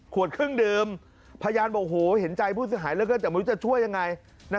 ขวดครึ่งดื่มพยายามบอกเห็นใจผู้หายเลิกก็จะช่วยยังไง